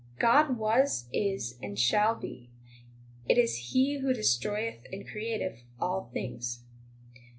23 God was, is, and shall be ; it is He who destroyeth and createth all things.